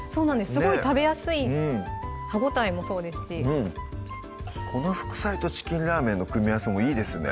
すごい食べやすい歯応えもそうですしこの副菜と「チキンラーメン」の組み合わせもいいですね